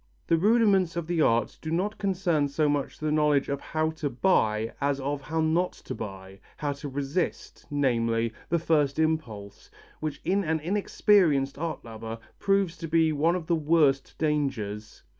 The rudiments of the art do not concern so much the knowledge of how to buy as of how not to buy, how to resist, namely, the first impulse, which in an inexperienced art lover proves to be one of the worst dangers.